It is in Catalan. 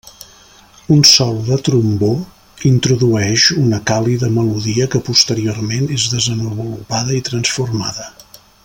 Un solo de trombó introdueix una càlida melodia que posteriorment és desenvolupada i transformada.